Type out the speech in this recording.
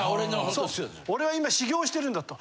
俺は今修業してるんだと。